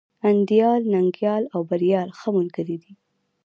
انديال، ننگيال او بريال ښه ملگري دي.